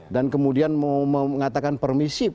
dan kemudian mengatakan permisi